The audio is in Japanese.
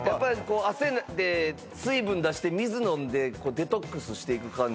汗で水分出して水飲んでデトックスしていく感じ